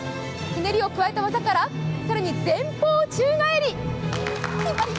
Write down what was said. ひねりを加えた技から更に前方宙返り！